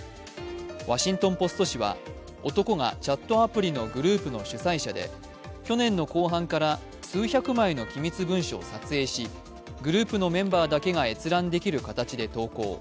「ワシントン・ポスト」紙は男がチャットアプリのグループの主催者で去年の後半から数百枚の機密文書を撮影しグループのメンバーだけが閲覧できる形で投稿。